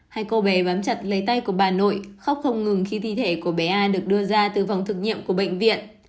hai cô bé bám chặt lấy tay của bà nội khóc không ngừng khi thi thể của bé a được đưa ra từ vòng thực nghiệm của bệnh viện